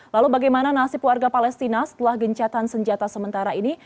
lalu bagaimana nasib warga palestina setelah gencatan senjata sementara ini